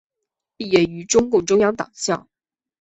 毕业于中共中央党校。